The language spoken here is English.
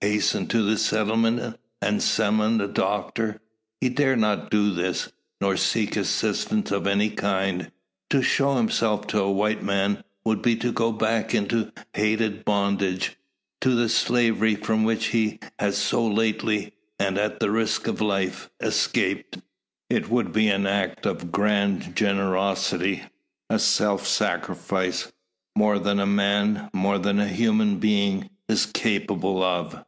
Hasten to the settlement, and summon a doctor? He dares not do this; nor seek assistance of any kind. To show himself to a white man would be to go back into hated bondage to the slavery from which he has so lately, and at risk of life, escaped. It would be an act of grand generosity a self sacrifice more than man, more than human being is capable of.